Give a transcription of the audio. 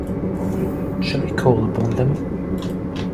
Shall I call upon them?